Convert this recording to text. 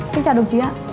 xin chào đồng chí ạ